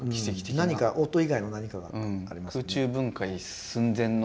何か音以外の何かがありますよね。